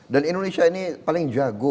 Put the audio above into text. dan indonesia ini paling jago